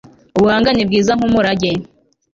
ubuhanga ni bwiza nk'umurage